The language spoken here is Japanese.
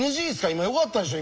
今よかったでしょ